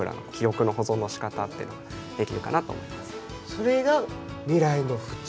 それが未来の普通？